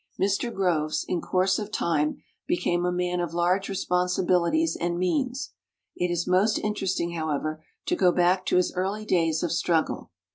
Mr. Groves in course of time became a man of large responsibilities and means. It is most interesting, however, to go back to his early days of struggle.